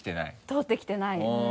通ってきてない。